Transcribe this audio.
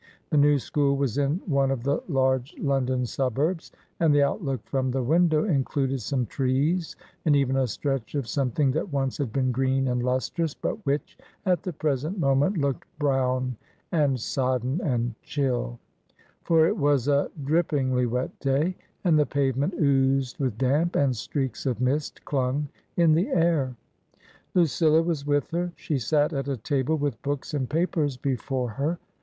The new school was in one of the large London suburbs, and the outlook from the window included some trees and even a stretch of some thing that once had been green and lustrous, but which at the present moment looked brown and sodden and chill ; for it was a drippingly wet day, and the pave ment oozed with damp, and streaks of mist clung in the air. Lucilla was with her ; she sat at a table with books and papers before her.